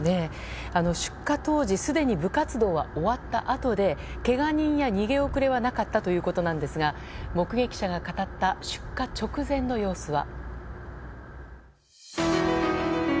出火当時すでに部活動は終わったあとでけが人や逃げ遅れはなかったということなんですが目撃者が語った出火直前の様子は？